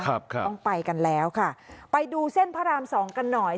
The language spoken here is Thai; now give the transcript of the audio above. ครับต้องไปกันแล้วค่ะไปดูเส้นพระรามสองกันหน่อย